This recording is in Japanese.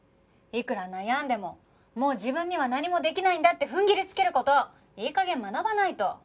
いくら悩んでももう自分には何もできないんだって踏ん切りつける事いい加減学ばないと。